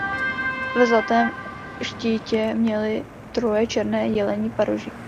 Ve zlatém štítě měli troje černé jelení paroží.